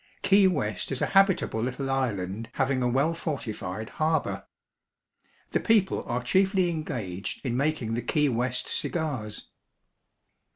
Key West is a habitable little island having a well fortified harbor. The people are chiefly engaged in making the Key West cigars.